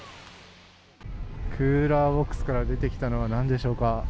クーラーボックスから出てきたのは何でしょうか。